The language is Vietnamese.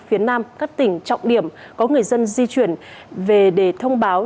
phía nam các tỉnh trọng điểm có người dân di chuyển về để thông báo